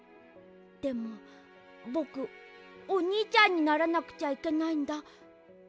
でもぼくおにいちゃんにならなくちゃいけないんだ。